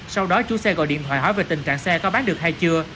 sau đó chủ xe gọi điện thoại hỏi về tình trạng xe có bán được hay chưa